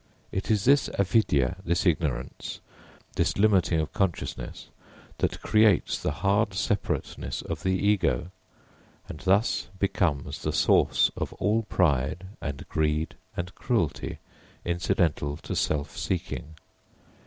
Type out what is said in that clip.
It is this Avidyā, this ignorance, this limiting of consciousness that creates the hard separateness of the ego, and thus becomes the source of all pride and greed and cruelty incidental to self seeking.